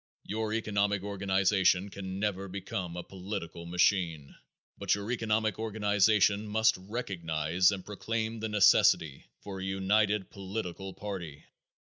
Your economic organization can never become a political machine, but your economic organization must recognize and proclaim the necessity for a united political party.